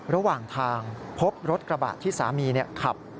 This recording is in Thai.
ระหว่างทางพบรถกระบะที่สามีขับ